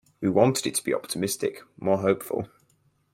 We wanted it to be optimistic, more hopeful.